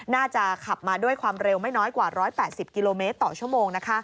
น่าจะขับมาด้วยความเร็วไม่น้อยกว่า๑๘๐กิโลเมตรต่อชั่วโมง